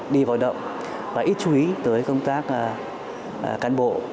đi vào động và ít chú ý tới công tác cán bộ